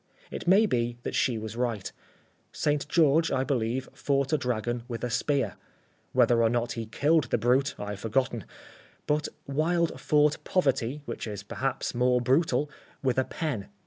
It may be that she was right. St. George, I believe, fought a dragon with a spear. Whether or not he killed the brute I have forgotten. But Wilde fought poverty, which is perhaps more brutal, with a pen.